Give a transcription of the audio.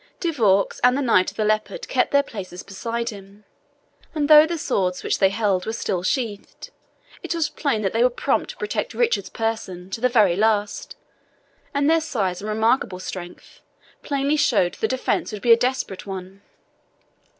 De Vaux and the Knight of the Leopard kept their places beside him; and though the swords which they held were still sheathed, it was plain that they were prompt to protect Richard's person to the very last, and their size and remarkable strength plainly showed the defence would be a desperate one.